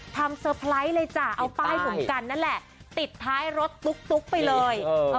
เซอร์ไพรส์เลยจ้ะเอาป้ายหนุ่มกันนั่นแหละติดท้ายรถตุ๊กไปเลย